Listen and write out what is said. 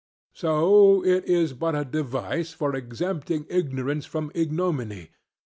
So it is but a device for exempting ignorance from ignominy.